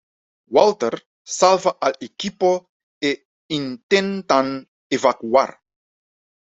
Walter salva al equipo e intentan evacuar.